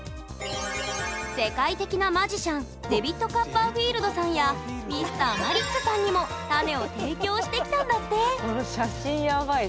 世界的なマジシャンデビッド・カッパーフィールドさんやＭｒ．マリックさんにもこの写真やばい。